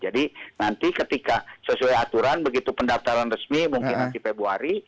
jadi nanti ketika sesuai aturan begitu pendaftaran resmi mungkin nanti februari